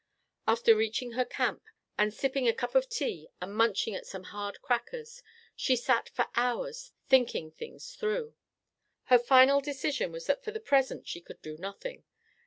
After reaching her camp and sipping a cup of tea and munching at some hard crackers, she sat for hours thinking things through. Her final decision was that for the present she could do nothing.